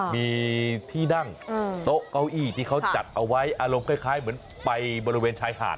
มีที่นั่งโต๊ะเก้าอี้ที่เขาจัดเอาไว้อารมณ์คล้ายเหมือนไปบริเวณชายหาด